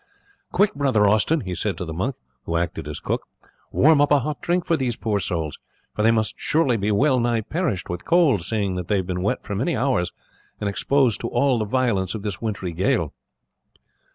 "Quick, brother Austin," he said to the monk, who acted as cook, "warm up a hot drink for these poor souls, for they must assuredly be well nigh perished with cold, seeing that they have been wet for many hours and exposed to all the violence of this wintry gale."